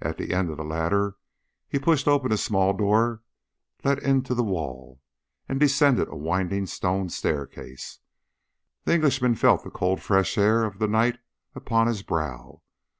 At the end of the latter he pushed open a small door let into the wall and descended a winding stone stair. The Englishman felt the cold fresh air of the night upon his brow.